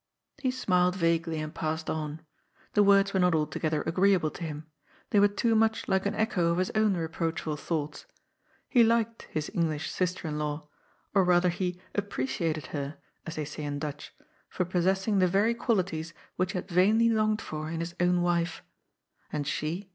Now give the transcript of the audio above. He smiled vaguely, and passed on. The words were not altogether agreeable to him ; they were too much like an echo of his own reproachful thoughts. He liked his Eng lish sister in law, or rather he " appreciated " her, as they say in Dutch, for possessing the very qualities which he had vainly longed for in his own wife. And she